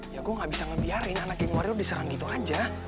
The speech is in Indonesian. ya gue gak bisa ngebiarin anak yang wario diserang gitu aja